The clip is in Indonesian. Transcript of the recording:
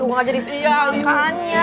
gue mau ngajarin pindah ke kameranya